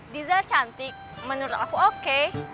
diza cantik menurut aku oke